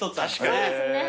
そうですね。